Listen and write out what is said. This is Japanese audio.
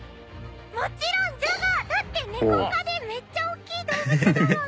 もちろんジャガー！だってネコ科でめっちゃ大きい動物だもん！